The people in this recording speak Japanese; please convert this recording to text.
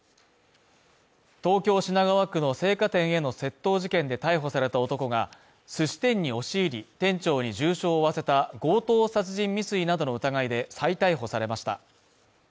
東京・品川区の青果店への窃盗事件で逮捕された男が、寿司店に押し入り、店長に重傷を負わせた強盗殺人未遂などの疑いで再逮捕されました。